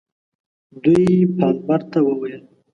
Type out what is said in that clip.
دوی پالمر ته وویل.